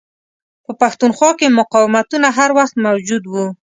په پښتونخوا کې مقاوتونه هر وخت موجود وه.